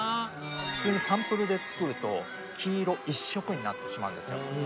普通にサンプルで作ると黄色一色になってしまうんですよ。